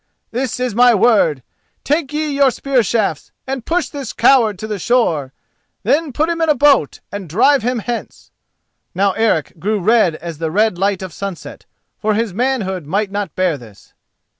This is my word: take ye your spear shafts and push this coward to the shore. Then put him in a boat and drive him hence." Now Eric grew red as the red light of sunset, for his manhood might not bear this.